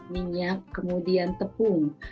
minyak kemudian tepung